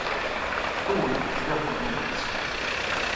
Хто ў ім, як вы думаеце?